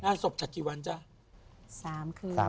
หน้าศพจัดกี่วันจ้ะ